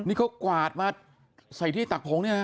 นี่เขากวาดมาใส่ที่ตักผงเนี่ยนะ